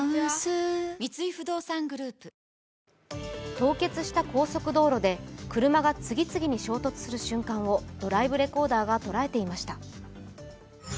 凍結した高速道路で車が次々に衝突する瞬間をドライブレコーダーが捉えていました。